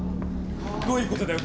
どういうことだよ？